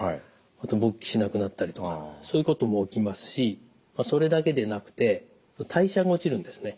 あと勃起しなくなったりとかそういうことも起きますしそれだけでなくて代謝が落ちるんですね。